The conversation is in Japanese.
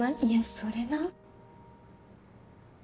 いやそれな。